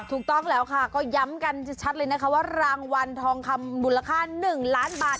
ถูกต้องแล้วค่ะก็ย้ำกันชัดเลยนะคะว่ารางวัลทองคำมูลค่า๑ล้านบาท